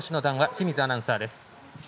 清水アナウンサーです。